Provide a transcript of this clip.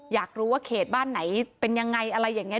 อยากรู้ว่าเขตบ้านไหนเป็นยังไงอะไรอย่างนี้